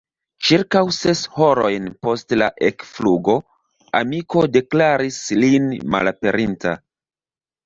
Ĉirkaŭ ses horojn post la ekflugo amiko deklaris lin malaperinta.